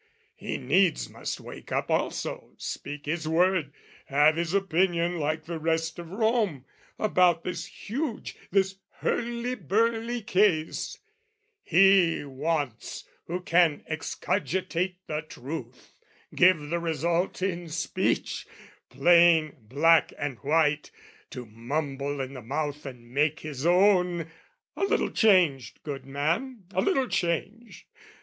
He needs must wake up also, speak his word, Have his opinion like the rest of Rome, About this huge, this hurly burly case: He wants who can excogitate the truth, Give the result in speech, plain black and white, To mumble in the mouth and make his own A little changed, good man, a little changed!